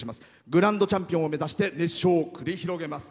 グランドチャンピオンを目指して熱唱を繰り広げます。